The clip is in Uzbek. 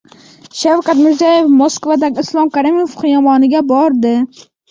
Shavkat Mirziyov Moskvadagi Islom Karimov xiyoboniga bordi